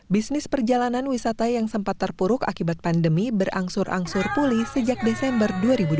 bisnis perjalanan wisata yang sempat terpuruk akibat pandemi berangsur angsur pulih sejak desember dua ribu dua puluh